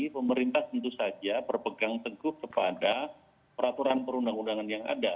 pemerintah tentu saja berpegang teguh kepada peraturan perundang undangan yang ada